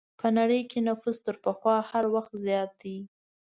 په نړۍ کې نفوس تر پخوا هر وخت زیات دی.